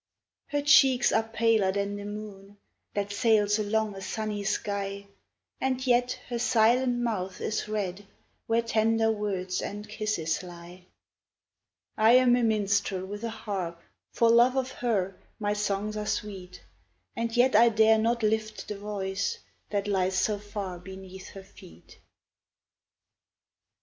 Her cheeks are paler than the moon That sails along a sunny sky, And yet her silent mouth is red Where tender words and kisses lie. I am a minstrel with a harp, For love of her my songs are sweet, And yet I dare not lift the voice That lies so far beneath her feet.